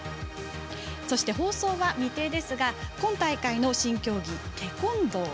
そして、放送は未定ですが今大会の新競技、テコンドー。